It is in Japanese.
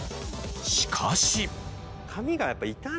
しかし。